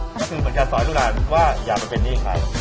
ก็คือเหมือนกับสอยดุราณว่าอย่าเป็นหนี้ขาย